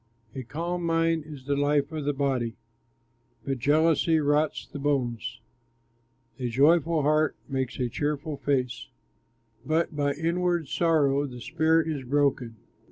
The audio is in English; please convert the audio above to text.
A calm mind is the life of the body, But jealousy rots the bones. A joyful heart makes a cheerful face, But by inward sorrow the spirit is broken.